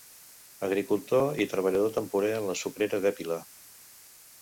Agricultor i treballador temporer en la Sucrera d'Épila.